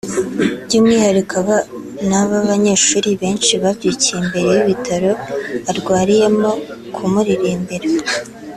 by’umwihariko abana b’abanyeshuri benshi babyukiye imbere y’ibitaro arwariyemo kumuririmbira